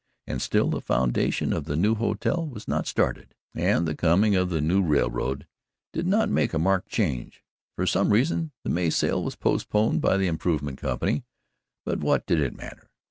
And still the foundation of the new hotel was not started and the coming of the new railroad in May did not make a marked change. For some reason the May sale was postponed by the Improvement Company, but what did it matter?